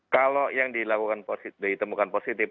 kalau yang ditemukan positif